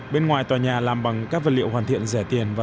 bên ngoài tòa nhà làm bằng các vật liệu hoàn thiện